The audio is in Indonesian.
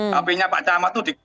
hpnya pak camat itu